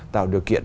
tạo điều kiện